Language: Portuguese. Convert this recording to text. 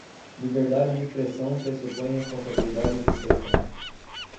Liberdade de expressão pressupõe responsabilidade de expressão